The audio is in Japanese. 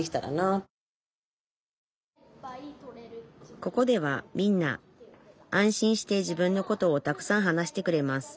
ここではみんな安心して自分のことをたくさん話してくれます。